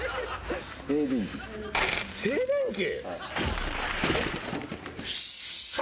静電気！？